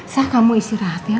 sa kamu istirahat ya